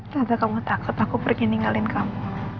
ternyata kamu takut aku pergi ninggalin kamu